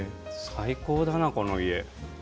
最高だな、この家。